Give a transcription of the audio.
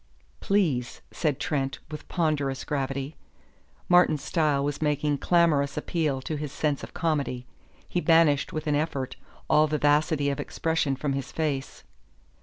"Please," said Trent with ponderous gravity. Martin's style was making clamorous appeal to his sense of comedy. He banished with an effort all vivacity of expression from his face.